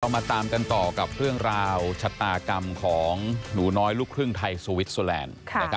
มาตามกันต่อกับเรื่องราวชะตากรรมของหนูน้อยลูกครึ่งไทยสวิสเตอร์แลนด์